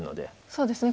そうですね